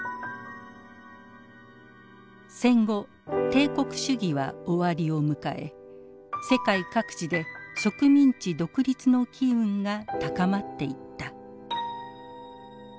戦後帝国主義は終わりを迎え世界各地で植民地独立の機運が高まっていった。